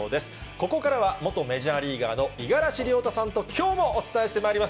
ここからは、元メジャーリーガーの五十嵐亮太さんときょうもお伝えしてまいります。